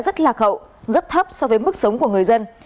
đó là một trong những thông tin rất thấp so với mức sống của người dân